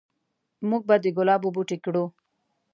موږ به د ګلابو بوټي کرو